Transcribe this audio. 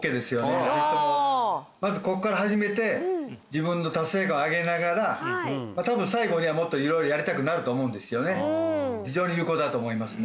まずこっから始めて自分の達成感上げながら多分最後にはもっと色々やりたくなると思うんですよね